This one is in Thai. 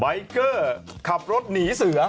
เกอร์ขับรถหนีเสือ